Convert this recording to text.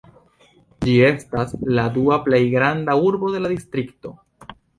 Ĝi estas la dua plej granda urbo de la distrikto.